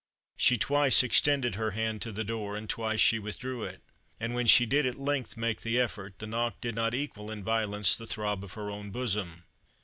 She twice extended her hand to the door, and twice she withdrew it; and when she did at length make the effort, the knock did not equal in violence the throb of her own bosom.